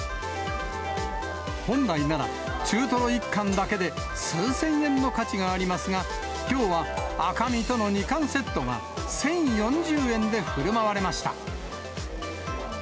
本来なら中トロ１貫だけで数千円の価値がありますが、きょうは赤身との２貫セットが１０４０円でふるまわれました。